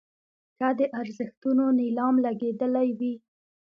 که د ارزښتونو نیلام لګېدلی وي.